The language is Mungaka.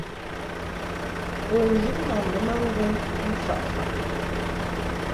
Bun lin ma ghə ma ŋgwɛn mfaʼ faʼ.